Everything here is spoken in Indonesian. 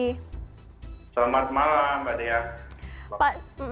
selamat malam mbak dea